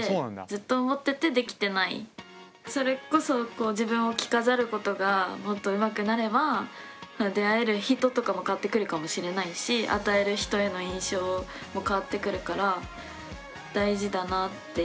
ずっと思っててそれこそ自分を着飾ることがもっとうまくなれば出会える人とかも変わってくるかもしれないし与える人への印象も変わってくるから大事だなって。